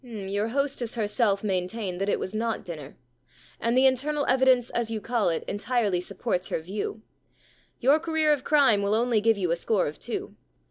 * Your hostess herself maintained that it was not dinner, and the internal evidence, as you call it, entirely supports her view. Your career of crime will only give you a score of two.